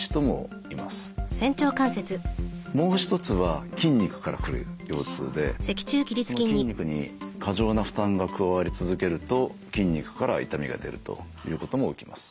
もう一つは筋肉から来る腰痛でその筋肉に過剰な負担が加わり続けると筋肉から痛みが出るということも起きます。